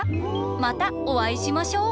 またおあいしましょう！